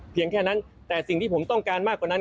แค่นั้นแต่สิ่งที่ผมต้องการมากกว่านั้น